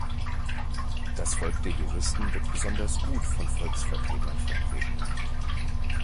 Das Volk der Juristen wird besonders gut von Volksvertretern vertreten.